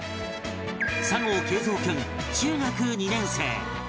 左合桂三君中学２年生